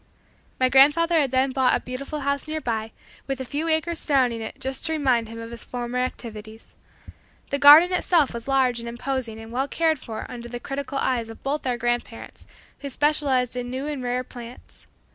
My grandfather had then bought a beautiful house nearby, with a few acres surrounding it just to remind him of his former activities. The garden itself was large and imposing and well cared for under the critical eyes of both of our grandparents, who specialized in new and rare plants.